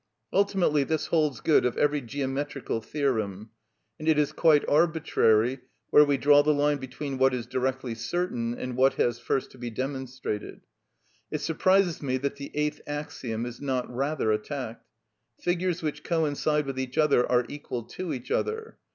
Ultimately this holds good of every geometrical theorem, and it is quite arbitrary where we draw the line between what is directly certain and what has first to be demonstrated. It surprises me that the eighth axiom is not rather attacked. "Figures which coincide with each other are equal to each other."